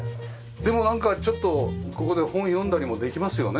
でもなんかちょっとここで本読んだりもできますよね。